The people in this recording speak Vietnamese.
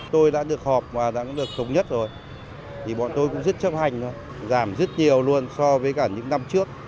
tôi đã được họp và đã được thống nhất rồi thì bọn tôi cũng rất chấp hành giảm rất nhiều luôn so với cả những năm trước